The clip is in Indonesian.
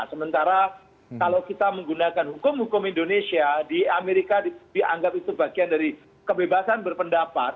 sementara kalau kita menggunakan hukum hukum indonesia di amerika dianggap itu bagian dari kebebasan berpendapat